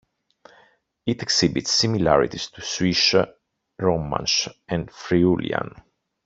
It exhibits similarities to Swiss Romansh and Friulian.